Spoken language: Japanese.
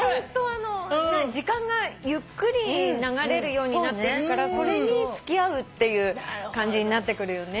時間がゆっくり流れるようになってくからそれに付き合うっていう感じになってくるよね。